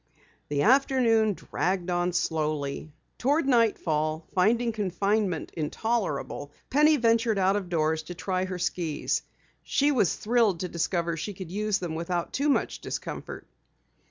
The afternoon dragged on slowly. Toward nightfall, finding confinement intolerable, Penny ventured out of doors to try her skis. She was thrilled to discover that she could use them without too much discomfort.